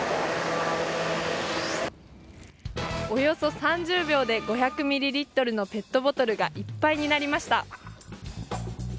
およそ３０秒で５００ミリリットルのペットボトルがいっぱいになりました。